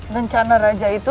bencana raja itu